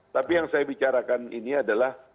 tapi yang saya bicarakan ini adalah